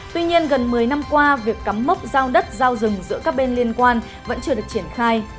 tuy nhiên gần một mươi năm qua việc cắm mốc giao đất giao rừng giữa các bên liên quan vẫn chưa được triển khai